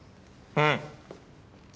うん。